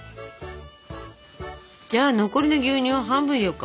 じゃあ残りの牛乳を半分入れようか。